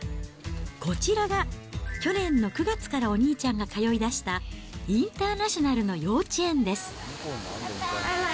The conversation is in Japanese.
こちらが去年９月からお兄ちゃんが通いだしたインターナショナルの幼稚園です。